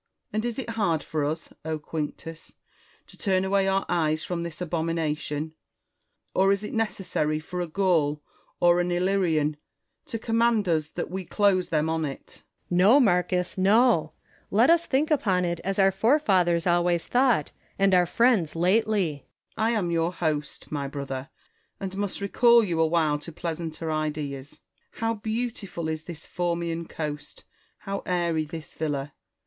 And is it hard for us, Quinctus, to turn away our eyes from this abomination ? Or is it necessary for a Gaul or an Illyrian to command us that we close them on it % Quinctus. No, Marcus, no ! Let us think upon it as our forefathers always thought, and our friends lately. Marcus. I am your host, my brother, and must recall you awhile to pleasanter ideas. How beautiful is this Formian coast ! how airy this villa